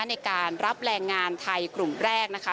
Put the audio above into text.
ในการรับแรงงานไทยกลุ่มแรกนะคะ